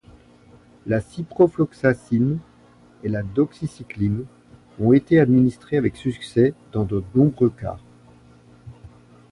La ciprofloxacine et la doxycycline ont été administrées avec succès dans de nombreux cas.